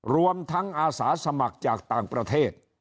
รวมทั้งอาสาสมัครจากต่างประเทศ